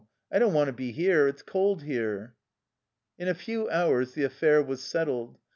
I don't want to be here ; it 's cold here." In a few hours the affair was settled.